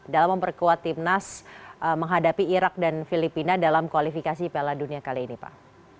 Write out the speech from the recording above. dalam memperkuat timnas menghadapi irak dan filipina dalam kualifikasi piala dunia kali ini pak